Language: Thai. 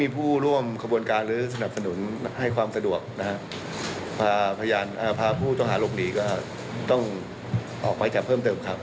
ผู้ต้องหาหลบนี้ก็ต้องออกไปจับเพิ่มเติมค่ะ